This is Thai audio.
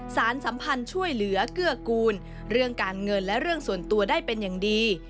สารสัมพันธ์ช่วยเหลือเกื้อกูลเรื่องการเงินและเรื่องส่วนตัวได้เป็นอย่างดี